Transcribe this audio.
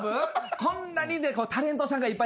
こんなにタレントさんがいっぱい。